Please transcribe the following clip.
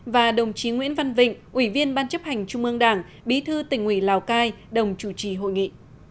và đồng chí nguyễn văn vịnh ủy viên ban chấp hành trung ương đảng bí thư tỉnh ủy lào cai đồng chủ trì hội nghị